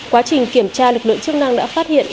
quá trình kiểm tra lực lượng chức năng đã phát hiện